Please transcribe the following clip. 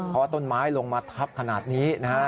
เพราะว่าต้นไม้ลงมาทับขนาดนี้นะครับ